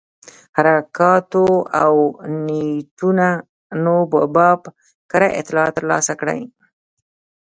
حرکاتو او نیتونو په باب کره اطلاعات ترلاسه کړي.